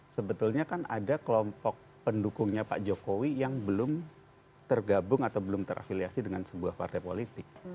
sebetulnya kan ada kelompok pendukungnya pak jokowi yang belum tergabung atau belum terafiliasi dengan sebuah partai politik